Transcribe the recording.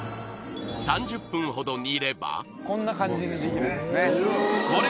３０分ほど煮ればこんな感じにできるんですね